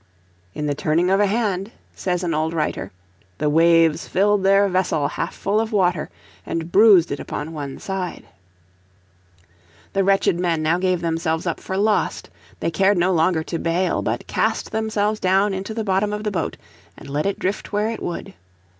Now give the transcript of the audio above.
"In the turning of a hand," says an old writer, "the waves filled their vessel half full of water, and bruised it upon one side." The wretched men now gave themselves up for lost. They cared no longer to bail, but cast themselves down into the bottom of the boat, and let it drift where it would.